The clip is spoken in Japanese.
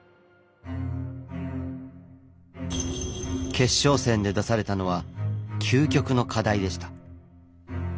決勝戦で出されたのは究極の課題でした。